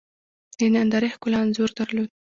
د نندارې ښکلا انځور درلود.